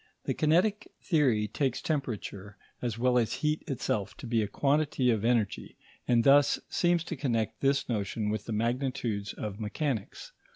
The kinetic theory takes temperature, as well as heat itself, to be a quantity of energy, and thus seems to connect this notion with the magnitudes of mechanics.